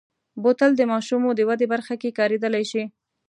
بوتل د ماشومو د ودې برخه کې کارېدلی شي.